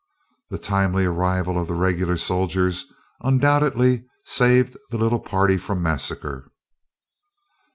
The timely arrival of the regular soldiers undoubtedly saved the little party from massacre.